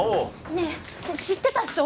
ねえ知ってたっしょ？